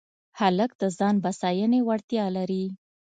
هلک د ځان بساینې وړتیا لري.